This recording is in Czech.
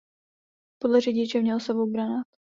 Podle řidiče měl s sebou granát.